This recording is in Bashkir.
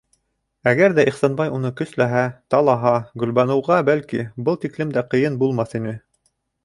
Әгәр ҙә Ихсанбай уны көсләһә, талаһа, Гөлбаныуға, бәлки, был тиклем дә ҡыйын булмаҫ ине.